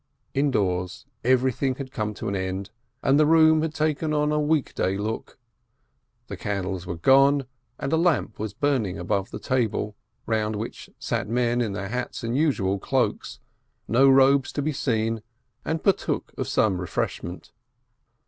Indoors everything had come to an end, and the room had taken on a week day look. The candles were gone, and a lamp was burning above the table, round which sat men in their hats and usual cloaks, no robes to be seen, and partook of some refreshment.